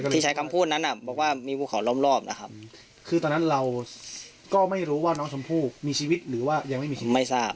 ที่ใช้คำพูดนั้นบอกว่ามีภูเขาล้อมรอบนะครับคือตอนนั้นเราก็ไม่รู้ว่าน้องชมพู่มีชีวิตหรือว่ายังไม่มีชีวิตไม่ทราบ